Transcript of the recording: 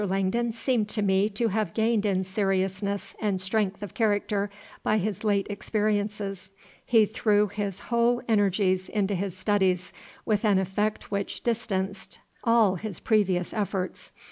Langdon seemed to me to have gained in seriousness and strength of character by his late experiences. He threw his whole energies into his studies with an effect which distanced all his previous efforts.